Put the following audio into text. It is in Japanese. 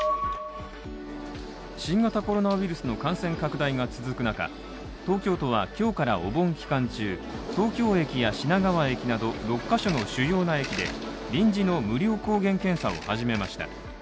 新型コロナウイルスの感染拡大が続く中東京都は今日からお盆期間中東京駅や品川駅など６カ所の主要な駅で臨時の無料抗原検査を始めました。